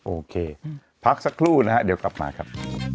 โอเคพักสักครู่นะฮะเดี๋ยวกลับมาครับ